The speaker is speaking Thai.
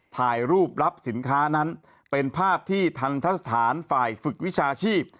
ถ่ายรูปรับสินค้านั้นเป็นภาพที่ทันทะสถานฝ่ายฝึกวิชาชีพ